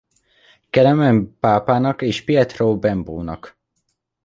Kelemen pápának és Pietro Bembo-nak.